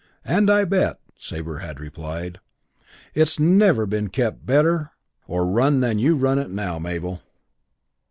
"And I bet," Sabre had replied, "it's never been better kept or run than you run it now, Mabel."